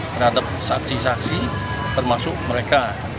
terhadap saksi saksi termasuk mereka